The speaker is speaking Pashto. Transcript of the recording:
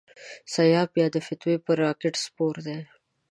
سیاف بیا د فتوی پر راکېټ سپور دی.